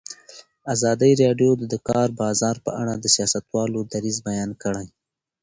ازادي راډیو د د کار بازار په اړه د سیاستوالو دریځ بیان کړی.